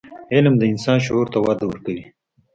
علم د انسان شعور ته وده ورکوي.